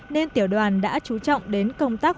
nên tiểu đoàn đã chú trọng đến công tác